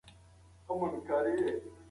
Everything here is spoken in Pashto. هره حجره د یو ځانګړي رنګ حساسیت لري.